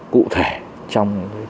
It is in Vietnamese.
cụ thể trong